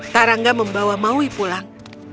taranga membawa maui pulang